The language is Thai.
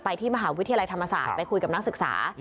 ที่มหาวิทยาลัยธรรมศาสตร์ไปคุยกับนักศึกษา